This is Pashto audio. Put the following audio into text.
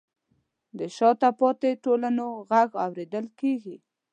د شاته پاتې ټولنو غږ اورېدل کیږي.